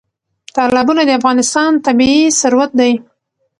تالابونه د افغانستان طبعي ثروت دی.